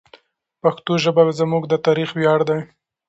پښتو ژبه زموږ د تاریخ ویاړ دی.